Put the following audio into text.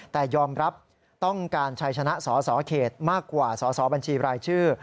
แต่ยอมรับต้องการชัยชนะสสเขตมากกว่าสอสอบัญชีรายชื่อ